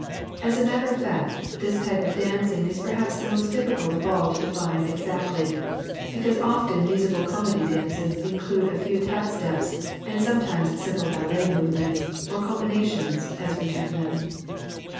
As a matter of fact, this type of dancing is perhaps the most difficult of all to define exactly, because often musical comedy dances include a few tap steps and sometimes simple ballet movements, or combinations, as we term them.